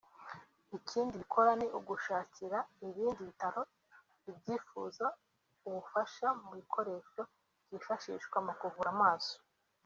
Ikindi bikora ni ugushakira ibindi bitaro bibyifuza ubufasha mu bikoresho byifashishwa nu kuvura amaso